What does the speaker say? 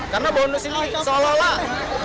karena bonus ini seolah olah